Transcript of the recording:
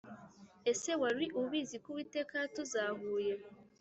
Ese wari ubizi ko Uwiteka yatuzahuye?